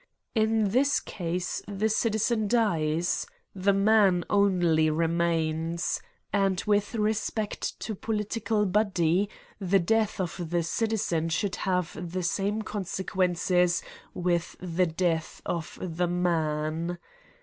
In this case the citizen dies ; the man only remains, and, with respect to a political body, the death of the citizen should have the same consequences with the death of the man.